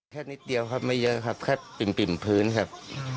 นิดเดียวครับไม่เยอะครับแค่ปิ่มพื้นครับ